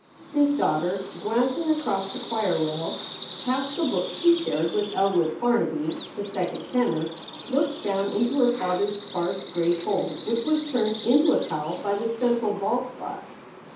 His daughter, glancing across the choir rail, past the book she shared with Elwood Farnaby, the second tenor, looked down into her father s sparse gray poll, which was turned into a cowl by the central bald spot.